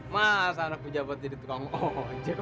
masa anak pejabat jadi tukang ojek